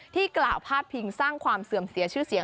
กล่าวพาดพิงสร้างความเสื่อมเสียชื่อเสียง